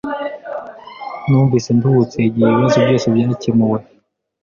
Numvise nduhutse igihe ibibazo byose byakemuwe.